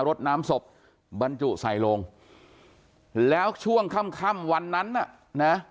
รถน้ำศพบรรจุใส่ลงแล้วช่วงค่ำค่ำวันนั้นน่ะนะ